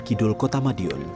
kedul kota madiun